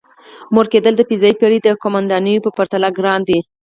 مور کېدل د فضايي بېړۍ د قوماندانېدو پرتله ګران دی.